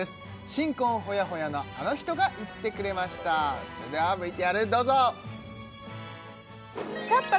新婚ホヤホヤのあの人が行ってくれましたそれではＶＴＲどうぞ！